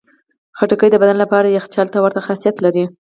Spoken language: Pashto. خټکی د بدن لپاره یخچال ته ورته خاصیت لري.